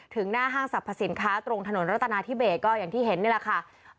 หน้าห้างสรรพสินค้าตรงถนนรัตนาธิเบสก็อย่างที่เห็นนี่แหละค่ะ